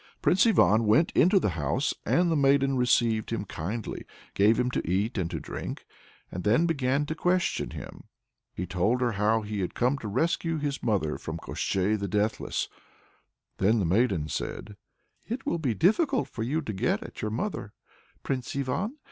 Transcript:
Prince Ivan went into the house, and the maiden received him kindly, gave him to eat and to drink, and then began to question him. He told her how he had come to rescue his mother from Koshchei the Deathless. Then the maiden said: "It will be difficult for you to get at your mother, Prince Ivan.